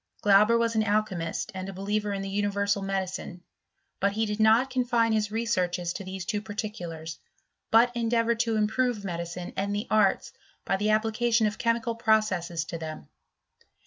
Glauber was an alchymist and a believer in the universal medicine. But he did not confine his researches to these two particulars, but en deavoured to improve medicine and the arts by the application of chemical processes to them.